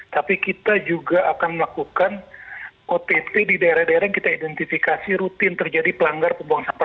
tapi kita juga akan melakukan ott di daerah daerah yang kita identifikasi rutin terjadi pelanggar pembuangan sampah